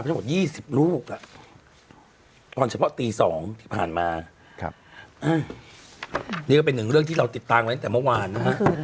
ทั้งหมด๒๐ลูกตอนเฉพาะตี๒ที่ผ่านมานี่ก็เป็นหนึ่งเรื่องที่เราติดตามไว้ตั้งแต่เมื่อวานนะฮะ